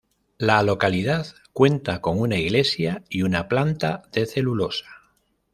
La localidad cuenta con una iglesia y una planta de celulosa.